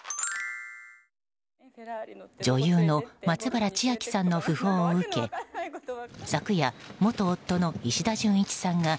女優の松原千明さんの訃報を受け昨夜、元夫の石田純一さんが